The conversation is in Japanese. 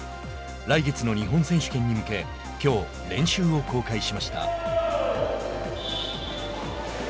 来月の日本選手権に向けきょう練習を公開しました。